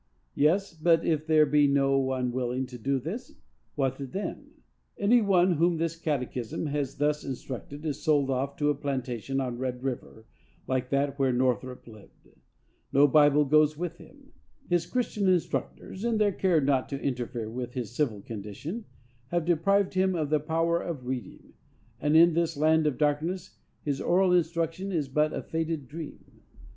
Yes, but if there be no one willing to do this, what then? Any one whom this catechism has thus instructed is sold off to a plantation on Red river, like that where Northrop lived; no Bible goes with him; his Christian instructors, in their care not to interfere with his civil condition, have deprived him of the power of reading; and in this land of darkness his oral instruction is but as a faded dream.